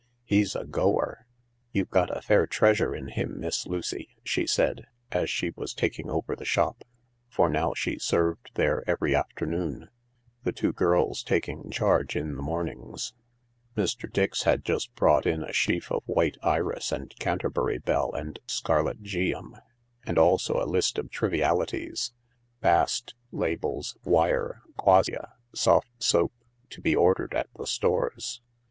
" He's a goer. You've got a fair treasure in him, Miss Lucy," she said, as she was taking over theshop — for now she served there every afternoon, the two girls taking charge in the mornings. Mr. Dix had just brought in a sheaf of white iris and Canterbury bell and scarlet geum, and also a list of trivialities — bast, labels, wire, quassia, soft soap — to be ordered at the Stores.